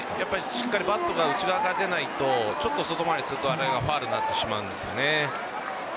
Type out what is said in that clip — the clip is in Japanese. しっかりバットが内側から出ないと外回りファウルになってしまうんです。